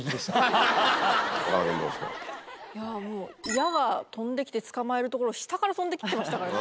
矢が飛んできてつかまえるところ下から飛んできてましたからね。